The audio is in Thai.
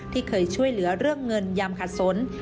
ที่เคยช่วยเหลือเรื่องเงินยามขัดสน